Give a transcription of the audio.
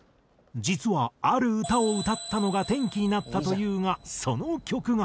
実はある歌を歌ったのが転機になったというがその曲が。